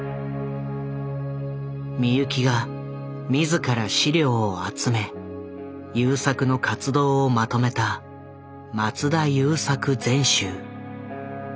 美由紀が自ら資料を集め優作の活動をまとめた「松田優作全集」。